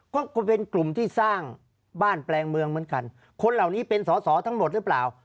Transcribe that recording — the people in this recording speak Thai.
ก็ก็เป็นกลุ่มที่สร้างบ้านแปลงเมืองเหมือนกันคนเหล่านี้เป็นสอสอทั้งหมดหรือเปล่า